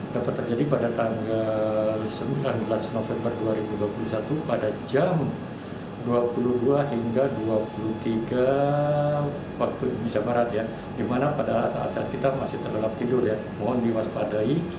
dapat terjadi pada tanggal sembilan belas november dua ribu dua puluh satu pada jam dua puluh dua hingga dua puluh tiga waktu jam marat